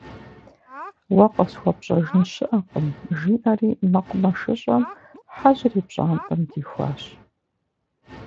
Уэ къысхуэпщӏэжын щыӏэкъым, - жиӏэри Мэкъумэшыщӏэм Хьэжьыр и пщӏантӏэм дихуащ.